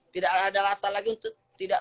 tidak ada alasan lagi untuk tidak